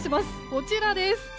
こちらです。